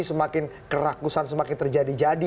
semakin kerakusan semakin terjadi jadi